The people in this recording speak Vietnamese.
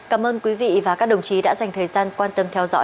cảm ơn quý vị và các đồng chí đã dành thời gian quan tâm